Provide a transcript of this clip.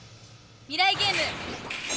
「未来ゲーム」！